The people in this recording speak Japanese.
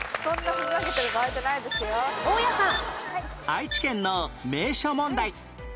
愛知県の名所問題